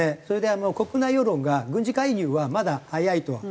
それで国内世論が軍事介入はまだ早いと。